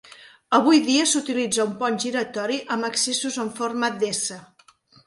Avui dia s'utilitza un pont giratori amb accessos en forma d'S.